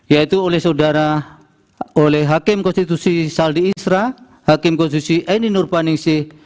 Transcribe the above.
yaitu oleh saudara oleh hakim konstitusi saldi isra hakim konstitusi ainin urpaningsih